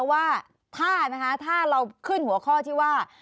ว่าถ้าเราขึ้นหัวข้อที่ว่า